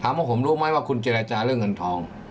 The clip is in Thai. ถามว่าผมรู้ไหมว่าคุณเจรจัตริย์เรื่องเงินทอง